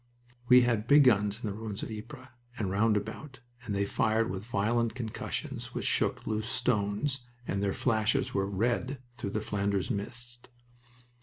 We had big guns in the ruins of Ypres, and round about, and they fired with violent concussions which shook loose stones, and their flashes were red through the Flanders mist.